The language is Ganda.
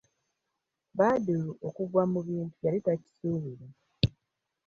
Badru okugwa mu bintu yali takisuubira.